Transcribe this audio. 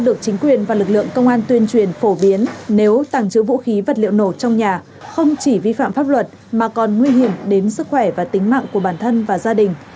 được chính quyền và lực lượng công an tuyên truyền phổ biến nếu tàng trữ vũ khí vật liệu nổ trong nhà không chỉ vi phạm pháp luật mà còn nguy hiểm đến sức khỏe và tính mạng của bản thân và gia đình